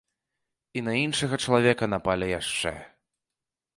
І на іншага чалавека напалі яшчэ.